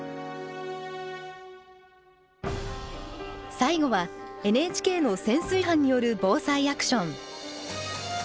最後はＮＨＫの潜水班による「ＢＯＳＡＩアクション」。